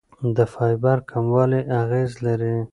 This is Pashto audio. د فایبر کموالی اغېز لري.